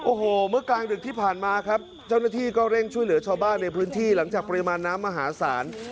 โอ้โหเมื่อกลางดึกที่ผ่านมาครับเจ้าหน้าที่ก็เร่งช่วยเหลือชาวบ้านในพื้นที่หลังจากปริมาณน้ำมหาศาล